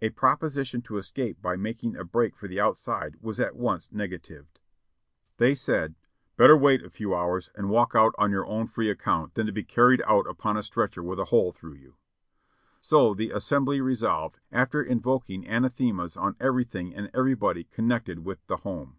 A prop osition to escape by making a break for the outside was at once negatived. They said : "Better wait a few hours and walk 6o6 JOHNNY REB AND BILLY YANK out on your own free account than to be carried out upon a stretcher with a hole through you," so the assembly resolved, after invoking anathemas on everything and everybody connected with the "Home."